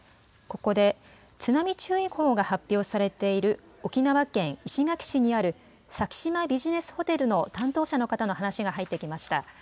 ここで津波注意報が発表されている沖縄県石垣市にある先島ビジネスホテルの担当者の方の話が入ってきました。